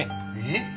えっ？